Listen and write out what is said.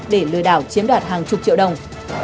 để lừa đảo chiếm đoạt hàng chục triệu đồng